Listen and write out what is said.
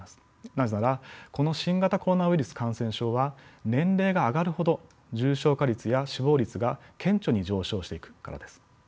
なぜならこの新型コロナウイルス感染症は年齢が上がるほど重症化率や死亡率が顕著に上昇していくからです。